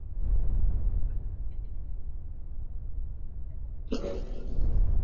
Uchaguzi wa Kenya elfu mbili na ishirini na mbili: ushindani mkali mno!!